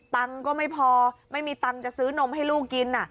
ตังค์ก็ไม่พอไม่มีตังค์จะซื้อนมให้ลูกกิน